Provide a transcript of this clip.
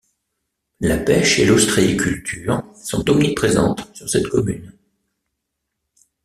La pêche et l'ostréiculture sont omniprésentes sur cette commune.